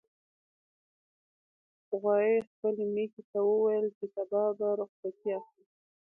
غویي خپلې میښې ته وویل چې سبا به رخصتي اخلي.